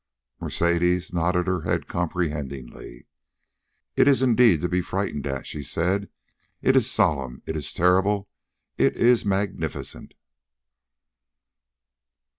Mercedes nodded her head comprehendingly. "It is indeed to be frightened at," she said. "It is solemn; it is terrible; it is magnificent!"